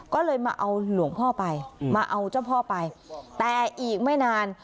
ก็เลยมาเอาหลวงพ่อไปมาเอาเจ้าพ่อไปแต่อีกไม่นาน